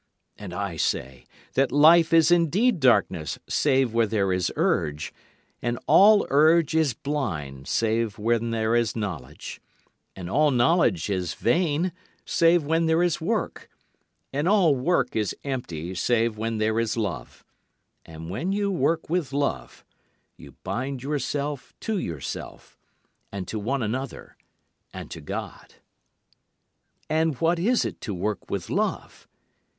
And I say that life is indeed darkness 'save when there is urge, And all urge is blind save when there is knowledge, And all knowledge is vain save when there is work, And all work is empty save when there is love; And when you work with love you bind yourself to yourself, and to one another, and to God. And what is it to work with love?